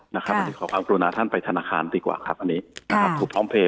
อันนี้ขอความกรุณาท่านไปธนาคารดีกว่าครับอันนี้นะครับถูกท้องเพลย